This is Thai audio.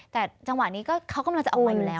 แต่จังหวะนี้ก็เขากำลังจะออกไปอยู่แล้ว